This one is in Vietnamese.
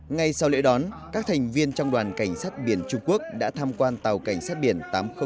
ngay sau lễ đón các thành viên trong đoàn cảnh sát biển trung quốc đã tham quan tàu cảnh sát biển tám